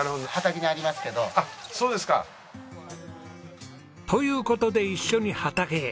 あっそうですか。という事で一緒に畑へ。